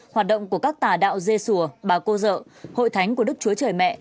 hoạt động của các tà đạo dê sùa bà cô dợ hội thánh của đức chúa trời mẹ